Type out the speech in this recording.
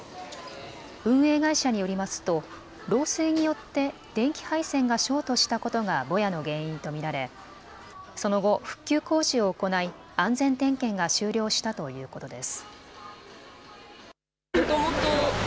運営会社によりますと漏水によって電気配線がショートしたことがぼやの原因と見られその後、復旧工事を行い安全点検が終了したということです。